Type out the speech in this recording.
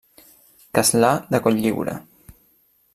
Castlà de Cotlliure.